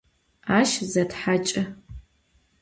Aş zêthaç'ı.